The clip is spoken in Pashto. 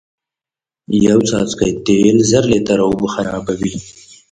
یو څاڅکی تیل زر لیتره اوبه خرابوی